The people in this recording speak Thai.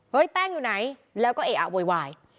แป้งอยู่ไหนแล้วก็เออะโวยวาย